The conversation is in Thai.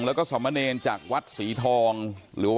แล้วอันนี้ก็เปิดแล้ว